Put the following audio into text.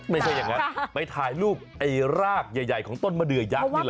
ไม่ใช่อย่างนั้นไปถ่ายรูปไอ้รากใหญ่ของต้นมะเดือยักษ์นี่แหละ